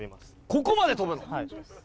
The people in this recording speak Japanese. ここまで跳ぶの！？